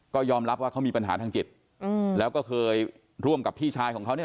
ก็ยอมรับว่าเขามีปัญหาทางจิตแล้วก็เคยร่วมกับพี่ชายของเขาเนี่ย